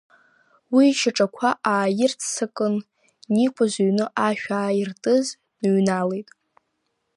Уи ишьаҿақәа ааирццакын, Никәа зыҩны ашә ааиртыз дныҩналеит.